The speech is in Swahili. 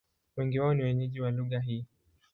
Wengi wao ni wenyeji wa lugha hii.